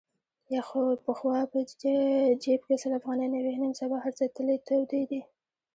پخوا په جیب کې سل افغانۍ نه وې. نن سبا هرڅه تلې تودې دي.